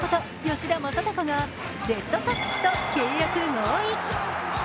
吉田正尚がレッドソックスと契約合意。